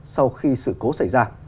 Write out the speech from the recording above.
sau khi sự cố xảy ra